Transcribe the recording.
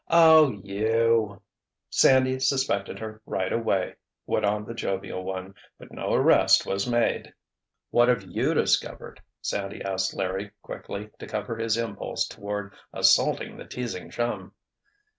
"Oh—you——" "Sandy suspected her right away!" went on the jovial one, "but no arrest was made." "What have you discovered?" Sandy asked Larry quickly, to cover his impulse toward assaulting the teasing chum.